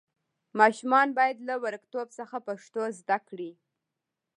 ماشومان باید له وړکتوب څخه پښتو زده کړي.